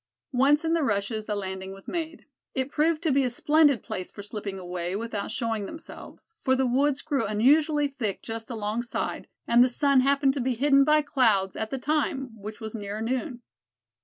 Once in the rushes the landing was made. It proved to be a splendid place for slipping away without showing themselves, for the woods grew unusually thick just alongside, and the sun happened to be hidden by clouds at the time, which was near noon.